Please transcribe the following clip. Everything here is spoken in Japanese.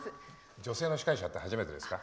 女性の司会者は初めてですか？